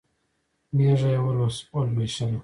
مېږه یې ولوسله.